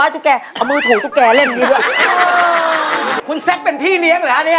เห้ยน่าไป